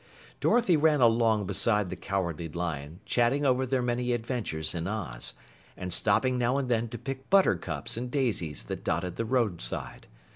Dorothy ran along beside the Cowardly Lion, chatting over their many adventures in Oz, and stopping now and then to pick buttercups and daisies that dotted the roadside.